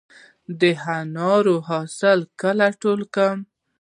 د انارو حاصل کله ټول کړم؟